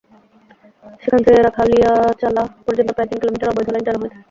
সেখান থেকে রাখালিয়াচালা পর্যন্ত প্রায় তিন কিলোমিটার অবৈধ লাইন টানা হয়েছে।